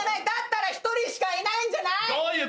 だったら１人しかいないんじゃない？